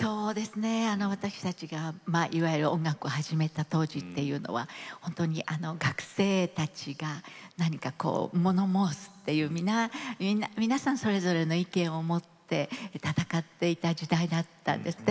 私たちがいわゆる音楽を始めた当時っていうのは本当に学生たちが何か物申すっていう皆さん、それぞれの意見を持って戦っていた時代だったんですね。